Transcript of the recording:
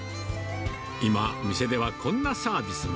今、店ではこんなサービスも。